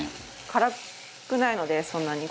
辛くないのでそんなに。